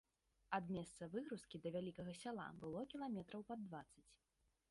Ад месца выгрузкі да вялікага сяла было кіламетраў пад дваццаць.